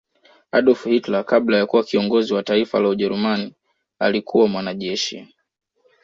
Adolf Hilter kabla ya kuwa kiongozi Wa Taifa la ujerumani alikuwa mwanajeshi